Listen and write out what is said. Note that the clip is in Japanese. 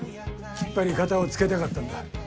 きっぱり片を付けたかったんだ。